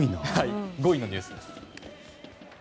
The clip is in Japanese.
５位のニュースです。